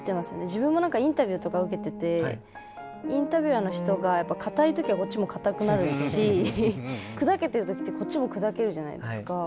自分もなんかインタビューとか受けててインタビュアーの人がやっぱ硬い時はこっちも硬くなるし砕けてる時ってこっちも砕けるじゃないですか。